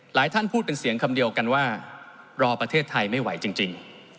ท่านพูดเป็นเสียงคำเดียวกันว่ารอประเทศไทยไม่ไหวจริง